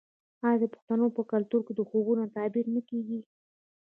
آیا د پښتنو په کلتور کې د خوبونو تعبیر نه کیږي؟